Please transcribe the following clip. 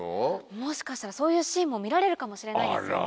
もしかしたらそういうシーンも見られるかもしれないですよね。